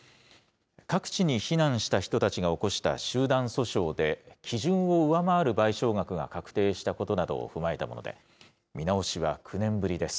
各地に避難した人たちが起こした集団訴訟で、基準を上回る賠償額が確定したことなどを踏まえたもので、見直しは９年ぶりです。